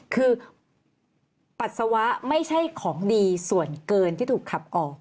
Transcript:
คือปัสสาวะไม่ใช่ของดีส่วนเกินที่ถูกขับออก